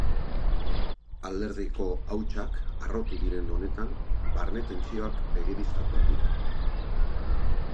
Alderdiko hautsak harrotu diren honetan, barne tentsioak begibistakoak dira.